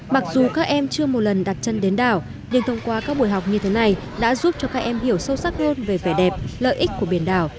mặc dù các em chưa một lần đặt chân đến đảo nhưng thông qua các buổi học như thế này đã giúp cho các em hiểu sâu sắc hơn về vẻ đẹp lợi ích của biển đảo